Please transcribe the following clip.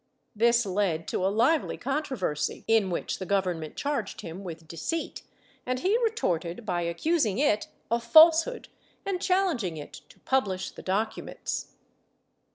This led to a lively controversy, in which the Government charged him with deceit and he retorted by accusing it of falsehood and challenging it to publish the documents.